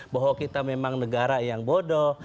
bahwa kita memang negara yang bodoh